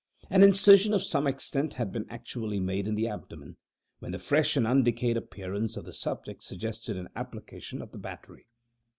An incision of some extent had been actually made in the abdomen, when the fresh and undecayed appearance of the subject suggested an application of the battery.